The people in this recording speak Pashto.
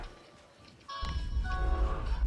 زه خبري کړې دي!!